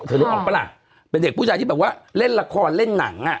นึกออกปะล่ะเป็นเด็กผู้ชายที่แบบว่าเล่นละครเล่นหนังอ่ะ